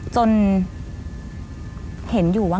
จนเห็นอยู่ว่า